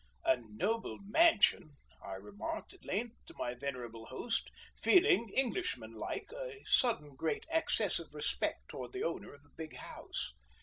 "A noble mansion!" I remarked at length to my venerable host, feeling, Englishman like, a sudden great access of respect towards the owner of a big house.